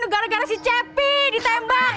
gara gara si cepi ditembak